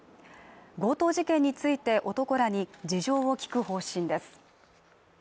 強盗事件について男らに事情を聞く方針です。